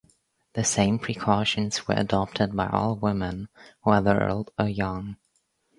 The same precautions were adopted by all women, whether old or young.